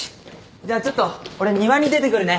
じゃあちょっと俺庭に出てくるね。